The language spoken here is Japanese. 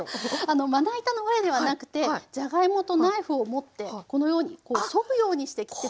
あのまな板の上ではなくてじゃがいもとナイフを持ってこのようにこうそぐようにして切ってくんですよね。